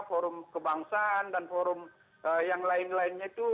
forum kebangsaan dan forum yang lain lainnya itu